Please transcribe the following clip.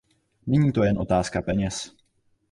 Není to jen otázka peněz.